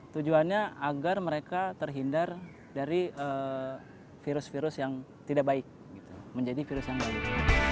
tujuannya agar mereka terhindar dari virus virus yang tidak baik menjadi virus yang baik